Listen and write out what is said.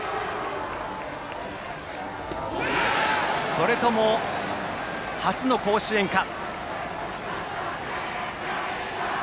それとも初の甲子園か。